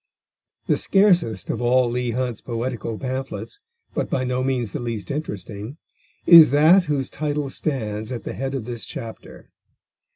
The scarcest of all Leigh Hunt's poetical pamphlets, but by no means the least interesting, is that whose title stands at the head of this chapter.